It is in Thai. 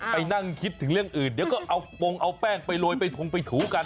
ไปนั่งคิดถึงเรื่องอื่นเดี๋ยวก็เอาปงเอาแป้งไปโรยไปทงไปถูกัน